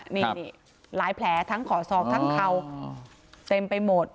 นี่หลายแผลทั้งขอศอกทั้งเข่าเต็มไปหมด